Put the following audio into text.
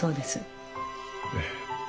ええ。